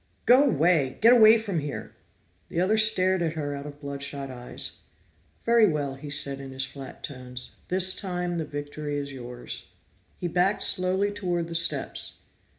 "Go away! Get away from here!" The other stared at her out of blood shot eyes. "Very well," he said in his flat tones. "This time the victory is yours." He backed slowly toward the steps.